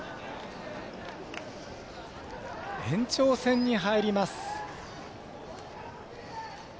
延長戦に入ります。